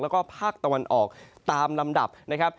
แล้วก็ภาคตะวันออกตามลำดับนะครับ